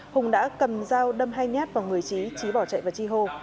hùng đã cầm dao đâm hai nhát vào người chí chí bỏ chạy vào chi hồ